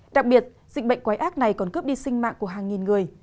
đặc biệt dịch bệnh quái ác này còn cướp đi sinh mạng của hàng nghìn người